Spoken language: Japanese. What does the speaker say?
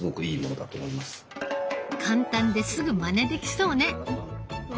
簡単ですぐまねできそうね！